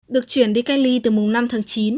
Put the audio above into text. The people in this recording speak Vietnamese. được chuyển đi cách ly từ mùng năm tháng chín